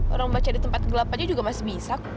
orang baca di tempat gelap aja juga masih bisa kok